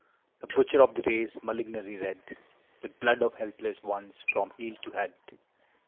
The butcher of the race, malignly red With blood of helpless ones from heel to head